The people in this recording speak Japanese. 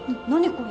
これ。